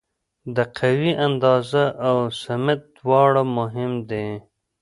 د قوې اندازه او سمت دواړه مهم دي.